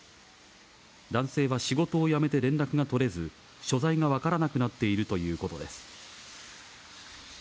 男性は仕事を辞めて連絡が取れず、所在が分からなくなっているということです。